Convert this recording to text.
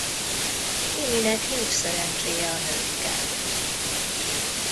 Iminek nincs szerencséje a nőkkel.